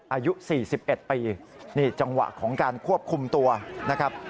อายุ๔๑ปีนี่จังหวะของการควบคุมตัวนะครับ